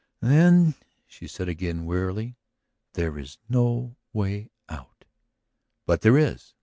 "Then," she said again wearily, "there is no way out." "But there is!